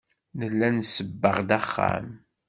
Nella nsebbeɣ-d axxam.